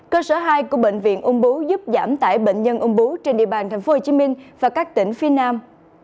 cơ sở hai của bệnh viện ung bú giúp giảm tải bệnh nhân ung bú trên địa bàn tp hcm và các tỉnh phía nam